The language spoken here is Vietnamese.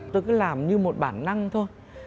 tôi cứ làm như một bản năng thôi